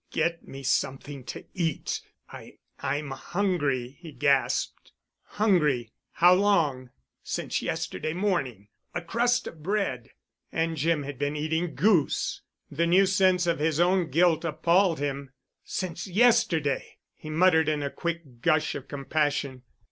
"G get me something to cat. I—I'm hungry," he gasped. "Hungry! How long——?" "Since yesterday morning—a crust of bread——" And Jim had been eating goose——! The new sense of his own guilt appalled him. "Since yesterday——!" he muttered in a quick gush of compassion.